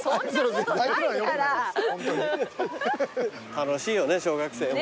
楽しいよね小学生も。